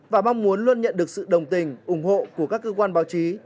và mong muốn luôn nhận được sự đồng tình ủng hộ của các cơ quan báo chí